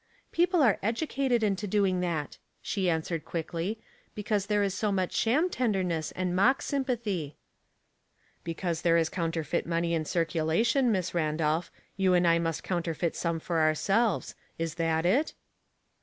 " People are educated into doing that," she an swered quickly, ''because there is so much sham tenderness and mock sympathy." *' Because there is counterfeit money in circu lation. Miss Randolph, you and I must counter feit some for ourselves. Is that it